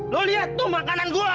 lo liat tuh makanan gua